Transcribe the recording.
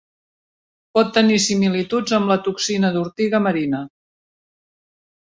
Pot tenir similituds amb la toxina d'ortiga marina.